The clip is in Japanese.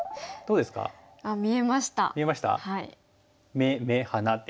目目鼻で。